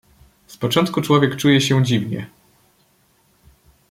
"Z początku człowiek czuje się dziwnie."